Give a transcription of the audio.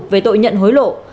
về tội nhận hối lộ